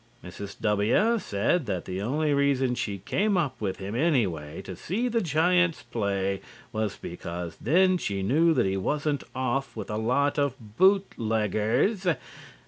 Mrs. W. said that the only reason she came up with him anyway to see the Giants play was because then she knew that he wasn't off with a lot of bootleggers.